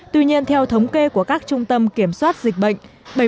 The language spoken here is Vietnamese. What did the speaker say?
tuy nhiên theo thống kê của các trung tâm kiểm soát dịch bệnh